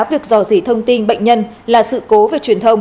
việc dò dỉ thông tin bệnh nhân là sự cố về truyền thông